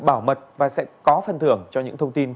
bảo mật và sẽ có phần thưởng cho những thông tin